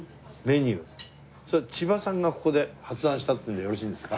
それは千葉さんがここで発案したっていうのでよろしいんですか？